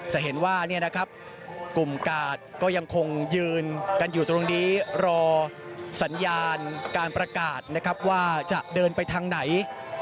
จะเห็นว่ากลุ่มกาดก็ยังคงยืนกันอยู่ตรงนี้รอสัญญาณการประกาศนะครับว่าจะเดินไปทางไหน